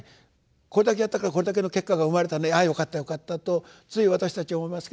「これだけやったからこれだけの結果が生まれたねああよかったよかった」とつい私たち思いますけど。